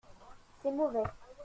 C’est mauvais.